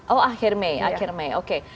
oh akhir mei akhir mei oke